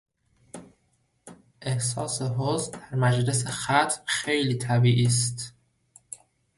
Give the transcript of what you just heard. احساس حزن در مجلس ختم خیلی طبیعی است.